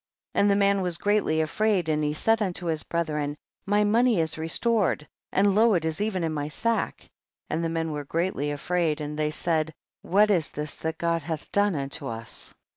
49. And the man was greatly afraid, and he said unto his brethren, my money is restored and lo, it is even in my sack, and the men were greatly afraid, and they said, what is this that God hath done unto us